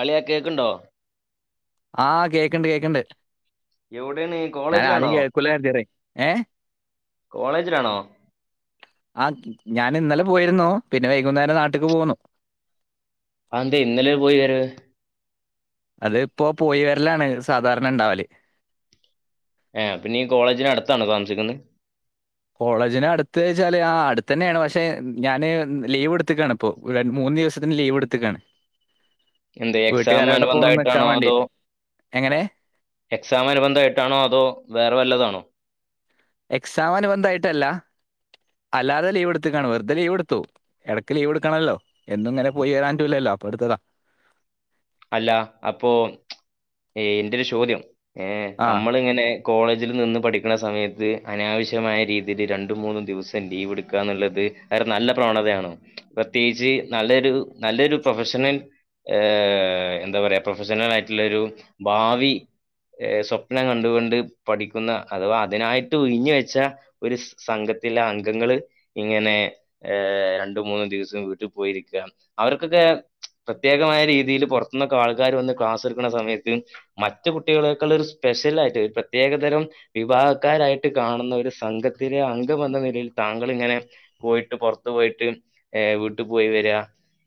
അളിയാ കേൾക്ക്ണ്ടോ? ആഹ് കേക്ക്ണ്ട് കേക്ക്ണ്ട്. എവിടെയാണ് കോളേജിലാണോ ഞാനാദ്യം കേൾക്കു ല കരുതിയത് ഏ കോളേജിലാണോ ആഹ് ഞാൻ ഇന്നലെ പോയിരുന്നു പിന്നെ വൈകുന്നേരം നാട്ട്ക്ക് പോന്നു. അതെന്തേ ഇന്നലൊ ഒരു പോയി വരവ്. അത് ഇപ്പോ പോയി വരലാണ് സാധാരണ ഇണ്ടാവല്. എ പിന്നെ ഈ കോളേജിനടുത്താണോ താമസിക്കുന്ന്. കോളേജിന് അടുത്ത് വച്ചാല് അടുത്ത് തന്നെയാണ് പക്ഷെ ഞാന് ലീവ് എടുത്ത്ക്കാണ്. ഇപ്പൊ മൂന്ന് ദിവസത്തിന് ലീവ്എടു ത്ത് കാണ്. എന്തേ എക്സാം അനുബന ധാ പോകുന്ന നിൽക്കാൻ യിട്ടാണോ അതോ വേണ്ടിയിട്ട് എങ്ങനെ എക്സാം അനുബന്ധമായിട്ടാണോ അതോ വേറെ വല്ലതാണോ? എക്സാം അനുബന്ധയിട്ടല്ല അല്ലാതെ ലീവ് എടുത്തക്കാണ് വെറുതെ ലീവ് എടുത്തു. എടക്ക് ലീവ് എടുക്കണല്ലോ എന്നും ഇങ്ങനെ പോയി വരാൻറ്റുല ലോ അപ്പോൾ എടുത്തത. അല്ല അപ്പോ ഏ എന്റെ ഒരു ചോദ്യം ഏഹ ആ നമ്മളിങ്ങനെ. കോളേജിൽ നിന്ന് പഠിക്കണ സമയത്ത് അനാവശ്യമായ രീതിയിൽ രണ്ടും മൂന്നും ദിവസം ലീവ് എടുക്കുക എന്നുള്ളത്. അതൊരു നല്ല പ്രവണതയാണോ പ്രത്യേകിച്ച് നല്ലൊരു നല്ലൊരു പ്രൊഫഷണൽ. ഏ എന്താ പറയാ പ്രൊഫഷണൽ ആയിട്ടുള്ള ഒരു ഭാവി. സ്വപ്നം കണ്ടുകൊണ്ട് പഠിക്കുന്ന അഥവാ അതിനായിട്ട് ഉഴിഞു വെച്ച ഒരു സംഘത്തിലെ അംഗങ്ങള് ഇങ്ങനെ. ഏ രണ്ടു മൂന്നും ദിവസം വീട്ടി പോയിരിക്ക. അവർക്കൊക്കെ പ്രത്യേകമായ രീതിയിൽ പുറത്തുന്നൊക്കെ ആൾക്കാർ വന്ന് ക്ലാസ് എടുക്കണ സമയത്ത്. മറ്റു കുട്ടികളെക്കാൾ ഒരു സ്പെഷ്യൽ ആയിട്ട് പ്രത്യേകതരം. വിവാഹക്കാരായിട്ട് കാണുന്ന ഒരു സംഘത്തിലെ അംഗം എന്ന നിലയിൽ താങ്കളിങ്ങനെ. പോയിട്ട് പുറത്ത് പോയിട്ട് വീട്ടിൽ പോയി വര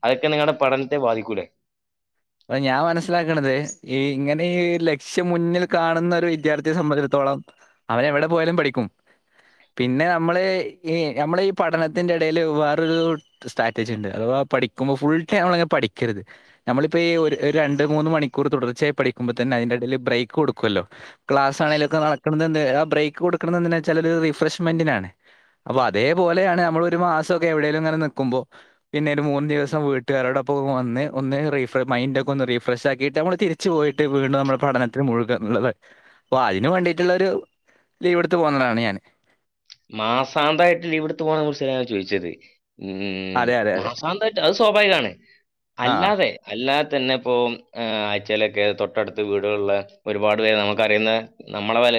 അതൊക്കെ നിങ്ങളുടെ പഠനത്തെ ബാധിക്കൂലേ? അപ്പൊ ഞാൻ മനസ്സിലാക്കണത് ഈ ഇങ്ങനെ ഈ ലക്ഷ്യമുന്നിൽ കാണുന്നോരു വിദ്യാർത്ഥിയെ സംബന്ധിച്ചിടത്തോളം അവൻ എവിടെ പോയാലും പഠിക്കും പിന്നെ നമ്മള് ഈ നമ്മൾ ഈ പഠനത്തിന്റെ ഇടൽ വേറൊരു സ്ട്രാറ്റജി ണ്ട് അഥവാ പഠിക്കുമ്പോൾ ഫുൾ ടൈം അമ്മള് ങ്ങനെ പഠിക്കരുത് ഇപ്പ ഈ ഒരു രണ്ട് മൂന്ന് മണിക്കൂർ തുടർച്ചയാ പഠിക്കുമ്പോ തന്നെ അതിന്റെ ഇടയിൽ ബ്രേക്ക് കൊടുക്കുവല്ലോ ക്ലാസ് ആണെങ്കിലൊക്കെ നടക്കണത് ന്ത്‌ ആ ബ്രേക്ക് കൊടുക്കണ എന്തിനാ വെച്ചാ ഒരു റിഫ്രഷ്മെന്റിനാണ് അപ്പൊ അതേപോലെയാണ് നമ്മൾ ഒരു മാസൊക്കെ എവിടെലും ഇങ്ങനെ നിക്കുമ്പോ പിന്നെ ഒരു മൂന്ന്ദിവസം വീട്ടുകാരോടൊപ്പം വന്ന് ഒന്ന് റീഫ മൈൻഡ ഒക്ക ഒന്ന് റീഫ്രഷക്കിട്ട് നമ്മള്തിരിച്ച് പോയിട്ട് വീണ്ടും നമ്മള് പഠനത്തിന് മുഴുകന്ന്ള്ളത് പ്പാ അയ്ന് വേണ്ടിട്ടുള്ളോരു ലീവ്ടുത്ത് പോന്നതാണ് ഞാൻ മാസാന്തായിട്ട് ലീവ്ടുത്ത് പോകണ [unintelligible] ചോദിച്ചത് ഉം അതെ അതെ അതെ മാസാന്തായിട്ട് അത് സ്വാഭാവികാണ് ആ അല്ലാതെ അല്ലാതെ തന്നെ ഇപ്പ ആഴ്ചയിലൊക്കെ തൊട്ടടുത്ത് വീടുകളുള്ള ഒരുപാട് പേര് നമുക്കറിയുന്ന നമ്മളെ വല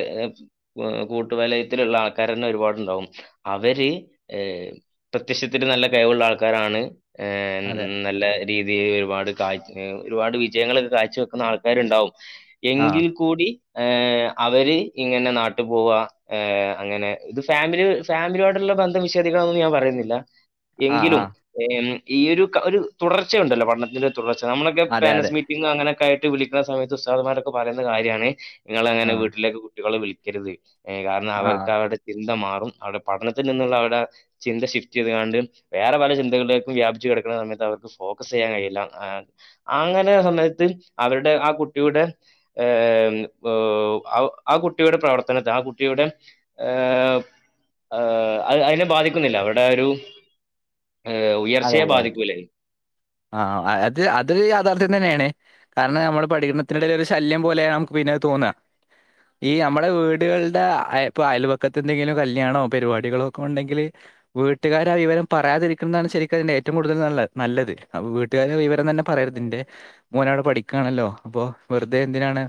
കൂട്ടു വലയത്തിലുള്ള ആൾക്കാ ഒരുപാടുണ്ടാവും അവര് എഹ് പ്രത്യക്ഷത്തില് നല്ല കഴിവുള്ള ആൾക്കാരാണ് ഏഹ് അതെ നല്ല രീതിയിൽ ഒരുപാട് കാ ഒരുപാട് വിജയങ്ങളൊക്കെ കാഴ്ച വെക്കുന്ന ആൾക്കാരൊക്കെണ്ടാവും ആ എങ്കിൽ കൂടി എഹ് അവര് ഇങ്ങനെ നാട്ടു പോവ എഹ് അങ്ങനെ ഇത് ഫാമിലി ഫാമിലിയോടുള്ള ബന്ധം നിഷേദിക്കണം നൊന്നും ഞാൻ പറയുന്നില്ല ആ ആ എങ്കിലും ഈ ഒരു ക ഒരു തുടർച്ചയ ഉണ്ടല്ലോ പഠണത്തിന്റെ തുടർച്ച നമ്മളൊക്കെ അതെ അതെ പോരന്റ്സ് മീറ്റിംഗ അങ്ങനൊക്കെ ആയിട്ട് കു വിളിക്കണ സമയത്ത് ഉസ്താദ് മാരൊക്കെ പറയുന്ന കാര്യാണ് നിങ്ങ ആ അങ്ങനെ വീട്ടിലേക്ക് കുട്ടികളെ വിളിക്കരുത് ഏയ് കാരണം ആ അവർക്ക് അവരുടെ ചിന്ത മാറും അവവിടെ പഠനത്തിൽ നിന്നുള്ള അവരുടെ ചിന്ത ഷിഫ്റ്റ് ചെയ്താണ്ട് വേറെ പല ചിന്തകളിലേക്കും വ്യാപിച്ച് കെടക്കുന്ന സമയത്ത് അവർക്ക് ഫോക്കസ് ചെയ്യാൻ കഴിയില്ല ഏ അങ്ങനെ സമയത്ത് അവരുടെ ആ കുട്ടിയുടെ ഏഹ് ആഹ് ഔ ആ കുട്ടിയുടെ പ്രവർത്തനത്തെ ആ കുട്ടിയുടെ എഹ് ആഹ് അയ്നെ അയ്നെ ബാധിക്കുന്നില്ല അവിടെ ഒരു ഹ് ഉയർച്ചയെ ബാധിക്കൂല അ ആഹ് അത് അത് രു യാഥാർത്ഥ്യം തന്നെയാണ് കാരണം നമ്മള് പഠനത്തിടയിൽ ഒരു ശല്യം പോലെയാണ് നമുക്ക് പിന്നെ ആ തോന്നാ ഈ അമ്മളെ വീടുകളുടെ അയ് ഇപ്പൊ അയലുപക്കത്ത് ന്തെങ്കിലും കല്യാണോ പരിപാടികളോ ക്കെ ഉണ്ടെങ്കിൽ വീട്ടുകാരാ വിവരം പറയാതിരിക്കുന്നതാണ് ശരി ഏറ്റവും കൂടുതൽ നല്ല നല്ലത് വീട്ടുകാരു വിവരം തന്നെ പറയരുത് ന്റെ മോനവിടെ പഠിക്കാണല്ലോ അപ്പൊ വെറുതെ എന്തിനാണ്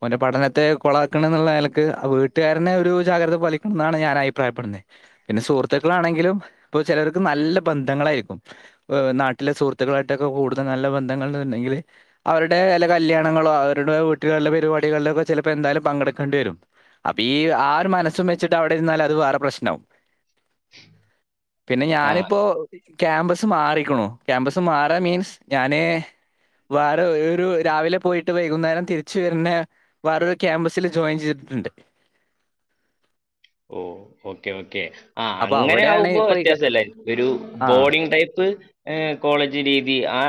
അവന്റെ പഠനത്തെ കൊളക്കണെ ന്നുള്ള നിലക്ക് ആ വീട്ടുകാരന്നെ ഒരു ജാഗ്രത പാലിക്കണം ന്നാണ് ഞാൻ അഭിപ്രായപ്പെടുന്നെ പിന്നെ സുഹൃത്തുക്കളാണെങ്കിലും പ്പൊ ചിലർക്ക് നല്ല ബന്ധങ്ങളായിരിക്കും ഹ് നാട്ടിലെ സുഹൃത്തുക്കളായിട്ടൊക്കെ കൂടുതൽ നല്ല ബന്ധങ്ങളണ്ടെങ്കിൽ അവരുടേ വെല്ല്യ കല്യാണങ്ങളോ അവരുടെ വീട്ടികളിലെ പരിപാടികളിലൊ ഒക്കെ ചിലപ്പോ എന്തായാലും പങ്കെടുക്കേണ്ടി വരും അപ്പൊ ഈ ആ ഒരു മനസ്സും വെച്ചിട്ട് അവിടെരുന്നാലും അത് വേറെ പ്രശ്നാവും [inaudible] പിന്നെ ആ ഞാനിപ്പോ ക്യാമ്പസ് മാറിക്ക്ണു ക്യാമ്പസ് മാറാ മീൻസ് ഞാന് വേറെ ഒരു രാവിലെ പോയിട്ട് വൈകുന്നേരം തിരിച് വര്ണെ വേറൊരു ക്യാമ്പസിൽ ജോയിൻ ചെയ്തിട്ണ്ട് ഓഹ് ഓക്കെ ഓക്കേ ആഹ് അപ്പൊ അങ്ങനെ അവിടെയാണ് ആവുമ്പോ ഇപ്പൊ ഈ ക- വ്യത്യാസല്ല ഒരു ആ ബോർഡിങ് ടൈപ്പ് ഹ് കോളേജ് രീതി ആ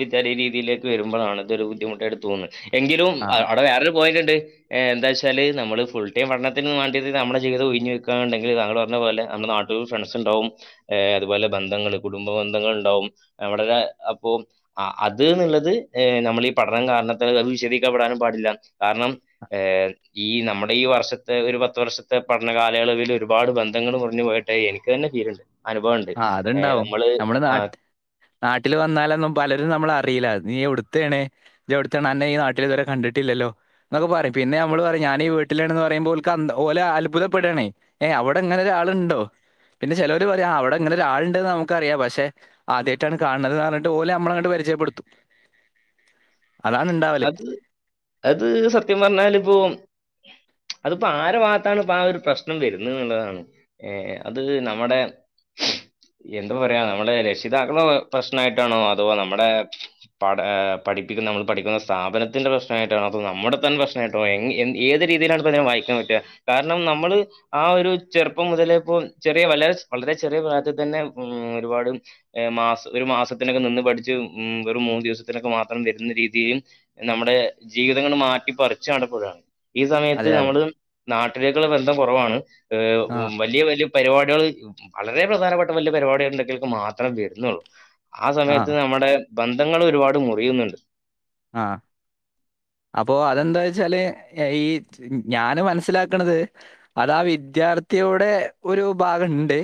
വിദ്യാലയ രീതിയിലേക്ക് വരുമ്പോഴാണ് തൊരു ബുദ്ധിമുട്ടായിട്ട് തോന്നുന്നത് എങ്കിലും ആ അവിടെ വേറൊരു പോയിന്റ് ണ്ട് എന്താച്ചാല് നമ്മള് ഫുൾ ടൈം പഠനത്തിന് വാണ്ടിട്ട നമ്മു ജീവിത ഒഴിഞ്ഞു വെക്കുകുണ്ടെങ്കി തങ്ങള് പറഞ്ഞ പോലെ നമ്മുടെ നാട്ടിൽ ഫ്രണ്ട്സ് ണ്ടാവും എഹ് അതുപോലെ ബന്ധങ്ങള് കുടുംബ ബന്ധങ്ങൾ ണ്ടാവും നമ്മടെ ന്നെ അപ്പൊ ആഹ് അത് ന്നുള്ളത് എഹ് നമ്മൾ ഈ പഠനം കാരണത്തല് അത് വിശദിക്കപ്പെടാനും പാടില്ല കാരണം ഏഹ് ഈ നമ്മുടെ ഈ വർഷത്തെ ഒരു പത്ത് വർഷ പഠന കാലയളവിൽ ഒരുപാട് ബന്ധങ്ങൾ മുറിഞ് പോയിട്ടായി എനിക്ക് തന്നെ ഫീല്ണ്ട് അനുഭവണ്ട് ആ ഏ അതുണ്ടാവും നമ്മള് നമ്മുടെ ആ നാട്ട് നാട്ടിൽ വന്നാലൊന്നും പലരും നമ്മള അറീല്ല നീ എവിട്തേണ് ജ്ജ് എവിടത്തെണ് അന്നെ ഈ നാട്ടിൽ ഇതുവരെ കണ്ടിട്ടില്ലല്ലോ എന്നൊക്കെ പറയും പിന്നെ നമ്മൾ പറയും ഞാനീ വീട്ടിലാണ്ന്ന് പറയുമ്പോൾ ഓല്ക്ക് ഓല് അത്ഭുതപ്പെടയണേ ഏയ് അവിടെങ്ങനെ ഒരാളുണ്ടോ പിന്നെ ചെലൊര് പറയും ആഹ് അവിടെ ഇങ്ങനെ ഒരാളുണ്ടന്ന് നമുക്കറിയാം പക്ഷെ ആദ്യമായിട്ടാണ് കാണുന്നത്ന്ന് പറഞ്ഞട്ട് ഓലെമ്മള അങ്ങട്ട് പരിചയപ്പെടുത്തും അതാണ് ഉണ്ടാവല് അത് അത് സത്യം പറഞ്ഞാൽ ഇപ്പോൊ അതിപ്പോ ആരെ ഭാഗത്താണ് ഇപ്പ ആ ഒരു പ്രശ്നം വരുന്ന്ന്നുള്ളതാണ് ഏഹ് അത് നമ്മുടെ എന്ത്പ്പ പറയാ നമ്മളെ രക്ഷിതാക്കള പ്രശ്നയിട്ടാണോ അതോ നമ്മടെ പഠ പഠിപ്പിക്കുന്ന നമ്മൾ പഠിക്കുന്ന സ്ഥാപനത്തിന്റെ പ്രശ്നയിട്ടണൊ അതോ നമ്മടെ തന്നെ പ്രശ്നമായിട്ടണൊ എ ഏത് രീതിയിലാണ് ഇപ്പോ അതിനെ വായിക്കാൻ പറ്റുക കാരണം നമ്മള് ആ ഒരു ചെറുപ്പം മുതലെ ഇപ്പോ ചെറിയ വളരെ വളരെ ചെറിയ പ്രായത്തിതന്നെ ഉം ഒരുപാട് മാസത്തിന് ഒരു മാസത്തിനൊക്കെ നിന്ന് പഠിച്ച് ഉം വെറും മൂന്ന് ദിവസത്തിനൊക്കെ മാത്രം വരുന്ന രീതി യും നമ്മുടെ ജീവിതങ്ങൾ മാറ്റിപ്പറിച്ച് നടുമ്പോഴാണ് ഈ സമയത്ത് അതെ അതെ നമ്മള് നാട്ടിലേക്കുള്ള ബന്ധം കുറവാണ് ആ വലിയ വലിയ പരിപാടികൾ വളരെ പ്രധാനപ്പെട്ട വലിയ പരിപാടികൾ ഉണ്ടെങ്കൽക്ക് മാത്രേ വരുന്നുള്ളൂ ആ സമയത്ത് നമ്മുടെ ബന്ധങ്ങൾ ഒരുപാട് മുറിയുന്നുണ്ട് ആഹ് അപ്പോൊ അതെന്താ വെച്ചാല് ഈ ഞാന് മനസ്സിലാക്കണത് അതാ വിദ്യാർത്ഥിയുടെ ഒരു ഭാഗണ്ട്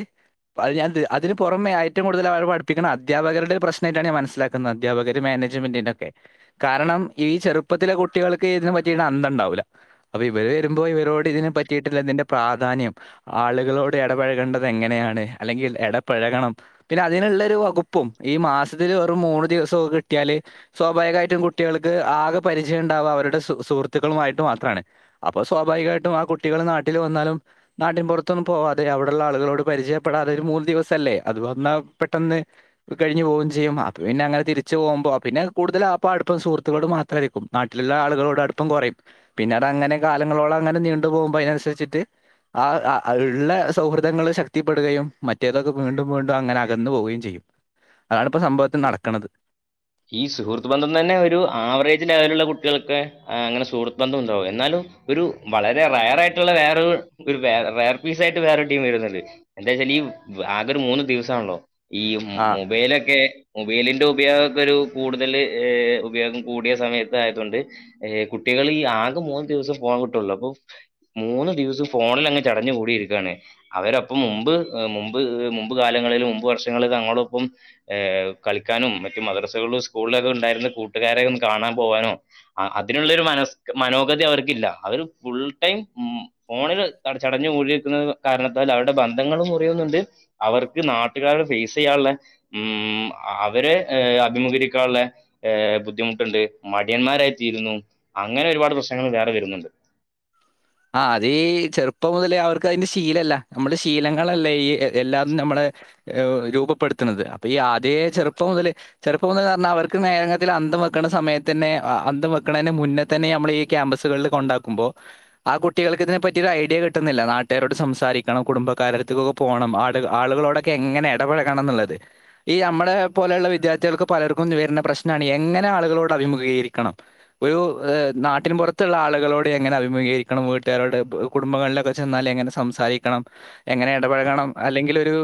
അ ഞാൻ അതിന് പുറമെ ഏറ്റവും കൂടുതൽ അവരെ പടിപ്പിക്കുന്നവരുടെ അധ്യാപകരുടെ പ്രശ്നമായിട്ടാണ് ഞാൻ മനസിലാക് ന്നത് അദ്ധ്യാപകര് മാനേജ്മെന്റിനൊക്കെ കാരണം ഈ ചെറുപ്പത്തിലെ കുട്ടികൾക്ക് ഇതിനെ പറ്റി അന്തം ഇണ്ടാവൂല്ല അപ്പൊ ഇവര് വരുമ്പോൾ ഇവരോട് ഇതിനെ പറ്റിയിട്ടുള്ള ഇതിന്റെ പ്രാധാന്യം ആളുകളോട് ഇടപഴകേണ്ടത് എങ്ങനെയാണ് അല്ലെങ്കിൽ ഇടപഴകണം പിന്നെ അതിനുള്ള ഒരു വകുപ്പും ഈ മാസത്തില് വെറും മൂന്ന് ദിവസൊക്കെ കിട്ടിയാല് സ്വാഭാവികമായിട്ടും കുട്ടി ട്ടികൾക്ക് ആകെ പരിചയം ഇണ്ടാവ അവരുടെ സുഹൃത്തുക്കളുമായിട്ട് മാത്രണ് അപ്പൊ സ്വാഭാവികമായിട്ടും ആ കുട്ടികൾ നാട്ടിൽ വന്നാലും നാട്ടിൻപുറത്തൊന്നും പോവാതെ അവിടുള്ള ആളുകളോട് പരിചയപ്പെടാതെ ഒരു മൂന്ന് ദിവസ അല്ലേ അത് വന്നാ പെട്ടെന്ന് കഴിഞ്ഞു പോകും ചെയ്യും അപ്പ പിന്നെ അങ്ങനെ തിരിച്ചു പോകുമ്പോ പിന്നെ കൂടുതൽ ആപ്പാടും ഇപ്പം സുഹൃത്തുളോട് മാത്രയിരിക്കും നാട്ടിലുള്ള ആളുകളോടടുപ്പം കുറയും പിന്നെ അത് അങ്ങനെ കാലങ്ങളോളം അങ്ങനെ നീണ്ട് പോകുമ്പോൾ അതിനനുസരിച്ചിട്ട് ആ ഇള്ള സൗഹൃദങ്ങൾ ശക്തിപ്പെടുകയും മറ്റേതൊക്കെ വീണ്ടും വീണ്ടും അങ്ങനെ അകന്നു പോവുകയും ചെയ്യും അതണിപ്പോ സംഭവത്തിൽ നടക്കണുന്നത് ഈ സുഹൃത്ത് ബന്ധം തന്നെ ഒരു ആവറേജ് ലെവലുള്ള കുട്ടികൾക്ക് അങ്ങനെ സുഹൃത്ത് ബന്ധം ഉണ്ടാവും എന്നാലും ഒരു വളരെ റയർ ആയിട്ടുള്ള വേറൊ ഒരു വ റയർ പീസ് ആയിട്ട് വേറൊരു ടീം വരുന്നുണ്ട് എന്താ വച്ചാൽ ഈ ആകെ ഒരു മൂന്ന് ദിവസാണല്ലോ ഈ ആ മൊബൈലൊക്കെ മൊബൈലിന്റെ ഉപയോഗ ഒരു കൂടുതൽ ഉപയോഗം കൂടിയ സമയത്ത് ആയതൊണ്ട് ഏ കുട്ടികൾ ആകെ മൂന്ന് ദിവസം പോവാൻ കിട്ടുള്ളൂ അപ്പൊ മൂന്ന് ദിവസം ഫോണിൽ അങ്ങ് ചടഞ്ഞ് കൂടിയിരിക്കണ് അവരപ്പം മുമ്പ് മുമ്പ് മുമ്പ് കാലങ്ങളിൽ മുമ്പ് വർഷങ്ങളിൽ നങ്ങളോടൊപ്പം കളിക്കാനും മറ്റു മദ്രസകളും സ്കൂളിലൊക്കെ ഉണ്ടായിരുന്ന കൂട്ടുകാരെയും കാണാൻ പോകാനോ അതിനുള്ളോരു മനസ് മനോഗതി അവർക്കില്ല അവര് ഫുൾടൈം മ് ഫോണിൽ ചടഞ്ഞ് കൂടി ഇരിക്കുന്ന കാരണത്താൽ അവരുടെ ബന്ധങ്ങളും കുറയുന്നുണ്ട് അവർക്ക് നാട്ടി ട്ടുകാരെ ഫേസ് ചെയ്യനുള്ള ഉം അവര് ഏ അഭിമുഖീരിക്കാനുള്ള ഏ ബുദ്ധിമുട്ടുണ്ട് മടിയന്മാരായി തീരുന്നു അങ്ങനെ ഒരുപാട് പ്രശ്നങ്ങൾ വേറെ വരുന്നുണ്ട് ആ അതീ ചെറുപ്പം മുതലേ അവർക്ക് അതിന്റെ ശീലല്ല നമ്മുടെ ശീലങ്ങളല്ലേ ഈ എല്ലാതും നമ്മളെ ഏ രൂപപ്പെട്ത്ത്ന്നത്. അപ്പെ ഈ ആദ്യേ ചെർപ്പം മുതല് ചെർപ്പം മുതലാർഞ്ഞാ അവർക്ക് മേന [unintelligible] ത്തില് അന്തം വെക്ക്ണ സമയത്തന്നെ അ അഅന്തം വെക്കണേന്നെ മുന്നേ തന്നെ ഈ അമ്മള് ഈ ക്യാമ്പസുകള്ള് കൊണ്ടാക്കുമ്പോ ആ കുട്ടികൾക്ക് ഇതിനെ പറ്റി ഒരു ഐഡിയ കിട്ടുന്നില്ല. നാട്ടുകാരോട് സംസാരിക്കണം കുടുംബക്കാരര്ത്ത്ക് ക്കൊ പോണം. ആള് ആളുകളോടെ ക്കെങ്ങെനെ എടപഴകണന്ന്ള്ളത് ഈ യമ്മളെ പോലെള്ള വിദ്യാർത്ഥികൾക്ക് പലർക്കും നെ വെര്നെ പ്രശ്നാണ് എങ്ങനെ ആളുകളോട് അഭിമുഖീകരിക്കണം. ഒരു ഏഹ് നാട്ടിൻ പുറത്ത്ള്ള ആള്കളോട് എങ്ങനെ അഭിമുഖീകരി ക്കണം വീട്ട്കാരോട് പ് കുടുംബങ്ങൾലൊക്കെ ചെന്നാല് എങ്ങനെ സംസാരിക്കണം എങ്ങനെ എടപഴകണം. അല്ലെങ്കിൽ ഒരു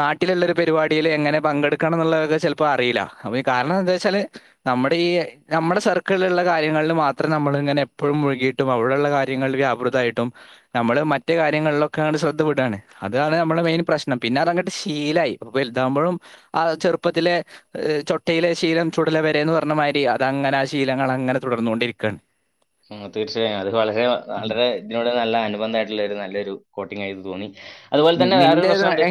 നാട്ടിലുള്ളരു പരിപാടിയിൽ എങ്ങനെ പങ്കെടുക്കണം എന്നുള്ളത് ചെൽപ്പോ അറിയില്ല അപ്പ കാരണന്താന്ന് വെച്ചാല് നമ്മുടെ ഈ നമ്മുടെ സർക്കിളിലള്ള കാര്യങ്ങളിൽ മാത്രം നമ്മൾങ്ങനെ പ്പോഴും മുഴുകിയിട്ടും അവിടെള്ള കാര്യ [unintelligible] ള്ള് വ്യാപൃതായിട്ടും ഞമ്മള് മറ്റ് കാര്യങ്ങൾലൊക്കേണ്ട് ശ്രദ്ധ വിടാണ്. അതാണ് മ്മൾടെ മെയിന് പ്രശ്നം. പിന്നെ അതങ്ങട്ട് ശീലായി. വെൽതാവ്മ്പൊഴും ആ ചെറുപ്പത്തിലെ ഏ ഏ ചൊട്ടയിലെ ഗീലം ചുടല വെരേന്ന് പർഞ്ഞ മായിരി അതങ്ങനെ ആ ശീലങ്ങളങ്ങനെ തുടർന്നൊണ്ടിരിക്കാണ്. മ്. തീർച്ചയായും അത് വളരെ വ വളരേ ത്‌നോട് നല്ല അനുബന്ധായിട്ട്ള്ളെ രു നല്ലെരു കോട്ടിങ്ങായിത് തോന്നി. അതുപോലെ തന്നെ വേറെരു പ്രശ്നംണ്ട്.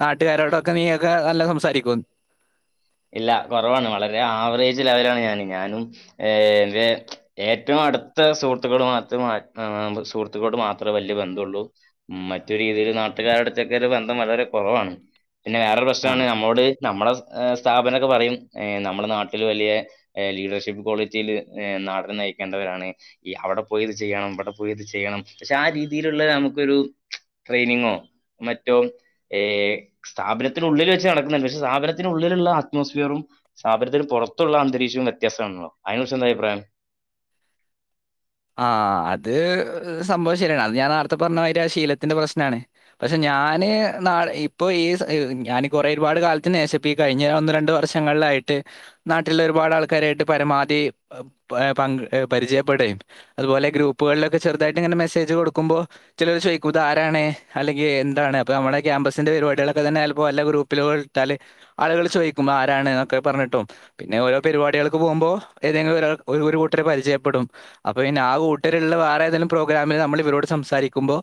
നാട്ട്കാരോടൊക്കെ നീയൊക്കെ നല്ല സംസാരിക്കോന്ന് ഇല്ല കൊറവാണ്. വളരെ ആവറേജ് ലെവലാണ് ഞാന് ഞാനും ഏഹ് എൻ്റെ ഏറ്റവും അട്ത്ത സുഹൃത്തുക്കളോട് മാത്ര മാ [unintelligible] സുഹൃത്തുക്കളോട് മാത്ര വല്ല്യബന്ധള്ളൂ മ്. മറ്റൊ രീതിക്ക് നാട്ടുകാരോട്ത്തക്കെ ര് ബന്ധം വളരെ കൊറവാണ്. പിന്നെ വേറൊരു ആ പ്രശ്നാണ് നമ്മളോട് നമ്മളെ സ് ഏ സ്ഥാപനൊക്കെ പറയും. ഏ നമ്മളെ നാട്ടില് വലിയെ ഏ ലീഡർഷിപ്പ് ക്വാളിറ്റിയില് ഏ നാട് നെ നയിക്കേണ്ടവരാണ് ഈ അവടെ പോയിത് ചെയ്യണം, ഇവടെ പോയത് ചെയ്യണം പക്ഷെ ആ രീതീല്ള്ളെ നമുക്കൊരു ട്രൈനിങ്ങോ മറ്റോ ഏ സ്ഥാപനത്തിനുള്ളില് വെച്ച് നടക്കുന്ന്ണ്ട്. പക്ഷെ സ്ഥാപനത്തിനുള്ളില്ള്ള അറ്റ്മോസ്ഫിയറും സ്ഥാപനത്തിൻ്റെ പൊറത്തുള്ള അന്തരീക്ഷം വ്യത്യാസാണല്ലോ? അയിനെ കുറിച്ചെന്താഭിപ്രായം. ആഹ് ആഹ് ആഹ് അത് ഒര് സംഭവം ശരിയാണ്. അത് ഞാൻ നേർത്തെ പർഞ്ഞമാരി ശീലത്ത്ന്റെ പ്രശ്നണ്. പക്ഷെ ഞാന് നാളെ ഇപ്പൊ ഈ സ ഞാൻ കൊറേ ഒരുപാട് കാലത്ത് നേ ഷം പ്പിയീ കഴിഞ്ഞ ഒന്ന്, രണ്ട് വർഷങ്ങൾലായിട്ട് നാട്ടില് ഒരുപാട് ആൾക്കാരായിട്ട് പരമാധി ഏ പാ പങ്ക് പരിചയപ്പെടെയും അത്പോല ഗ്രൂപ്പുകൾലൊക്കെ ചെർതായിട്ടങ്ങനെ മെസ്സേജ് കൊടുക്കുമ്പോ ചിലര് ചോയ്ക്കും താരാണ്. അല്ലെങ്കി എന്താണ്. അപ്പ നമ്മളെ ക്യാമ്പസിന്റെ പേര് വായിട്ട്ള്ളെ പ്പ തെന്നെ ഹെൽപ്പൊ അല്ലെ ഗ്രൂ പ്പ്ലോൾ ഇട്ടാല് ആള്കള് ചോയ്ക്കും. ആരാണ് തൊക്കെ പർഞ്ഞിട്ടും പിന്നെ ഓരോ പരിപാടികൾക്ക് പോക്മ്പോ ഏതെങ്കിലും ഒരാൾ ഒരു ഒരു കൂട്ടര് പരിചയപ്പെടും. അപ്പൊ പിന്നെ ആ കൂട്ടര്ള്ളെ വേറെ ഏതേലും പ്രോഗ്രാമിൽ നമ്മൾ ഇവരോട് സംസാരിക്കുമ്പോ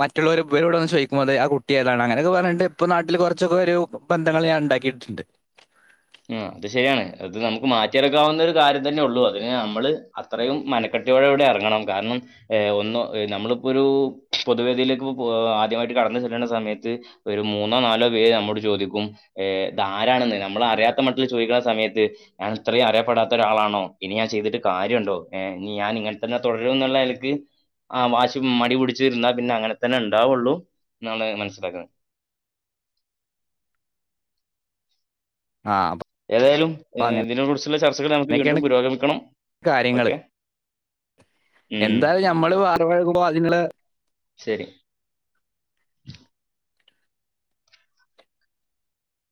മറ്റ്ളോര് ഇവരോട് വന്ന് ചോയ്ക്കും. അതെ ആ കുട്ടി ഏതാണ്. അങ്ങനെക്കെ പർഞ്ഞിട്ട് ഇപ്പൊ നാട്ടില് കൊർച്ചൊക്കെരു ബന്ധങ്ങൾ ഞാൻ ണ്ടാക്കിയിട്ട്ണ്ട് ആഹ് അത് ശരിയാണ്. അത് നമുക്ക് മാറ്റിയെടുക്കാവുന്ന ഒരു കാര്യം തന്നെ ഉള്ളൂ. അതിനെ അമ്മള് അ ത്രയും മനക്കെട്ടിയോടെ വ്ടെ എർങ്ങണം. കാരണം ഏ ഒന്നൊ എ നമ്മള്പ്പോരു പൊതുവേദിയിലേക്ക്പ്പൊ പോവാ ആദ്യവായിട്ട് കടന്ന് ചെല്ല്ണ സമയത്ത് ഒരു മൂന്നോ, നാലോ പേര് അമ്മോട് ചോദിക്കും ഏ താ ആരാണെന്ന്. നമ്മളെറിയാ ത്തമട്ടില് ചോദിക്ക്ണ സമയത്ത് ഞാൻ ഇത്രയും അറിയപ്പെടാത്തൊ രാളാണോ. ഇനി ഞാൻ ചെയ്തിട്ട് കാര്യണ്ടോ ഏ നി ഞാന് ഇങ്ങെൻ തന്നെ തുടരുംന്ന്ള്ള നെൽക്ക് ആ വാശി മടി പിട്ച്ചിരുന്നാ പിന്നെ അങ്ങനെ തന്നെ ണ്ടാവുള്ളൂ [unintelligible] മനസ്സിലാക്ക്ണെ ആഹ് പ്പ ഏതായാലും ഏഹ് തിനെ കുർച്ച് ള്ളെ ചർച്ചകള് നമുക്ക് വീണ്ടും അങ്ങനെയൊക്കെയാണ് പുരോഗമിക്കണം. കാര്യങ്ങള് ഓക്കെ ഉം മ്മള് [unintelligible] അത്ങ്ങള് ശരി